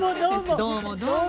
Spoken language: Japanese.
◆どうもどうも。